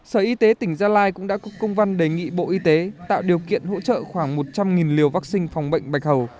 sở y tế tỉnh gia lai cũng đã có công văn đề nghị bộ y tế tạo điều kiện hỗ trợ khoảng một trăm linh liều vaccine phòng bệnh bạch hầu